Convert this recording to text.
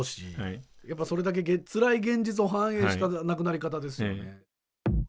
やっぱそれだけつらい現実を反映した亡くなり方ですよね。